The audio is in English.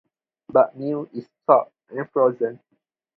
But Mew is caught, and frozen.